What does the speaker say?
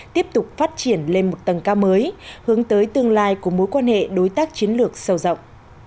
tiếp tục phát triển lên một tầng cao mới hướng tới tương lai của mối quan hệ đối tác chiến lược sâu rộng